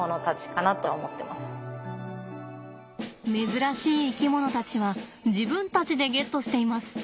珍しい生き物たちは自分たちでゲットしています。